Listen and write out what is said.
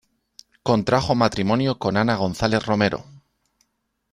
Contrajo matrimonio con Ana González Romero.